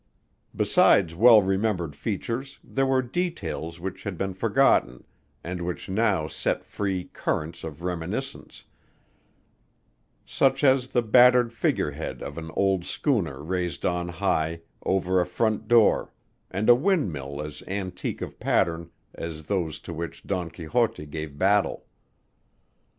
Besides well remembered features, there were details which had been forgotten and which now set free currents of reminiscence such as the battered figurehead of an old schooner raised on high over a front door and a wind mill as antique of pattern as those to which Don Quixote gave battle.